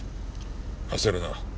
焦るな。